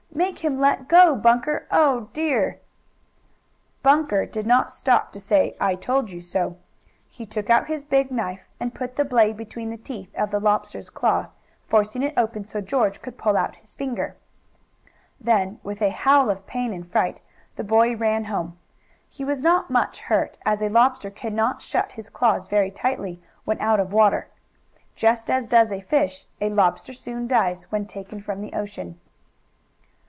Make him let go, Bunker! Oh, dear!" Bunker did not stop to say: "I told you so!" He took out his big knife, and put the blade between the teeth of the lobster's claw, forcing it open so George could pull out his finger. Then, with a howl of pain and fright, the boy ran home. He was not much hurt, as a lobster can not shut his claws very tightly when out of water. Just as does a fish, a lobster soon dies when taken from the ocean.